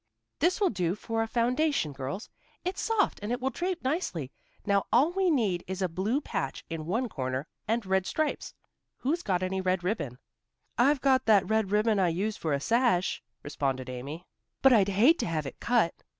"This will do for a foundation, girls. It's soft and it will drape nicely. Now all we need is a blue patch in one corner, and red stripes. Who's got any red ribbon?" "I've got that red ribbon I use for a sash," responded Amy. "But I'd hate to have it cut."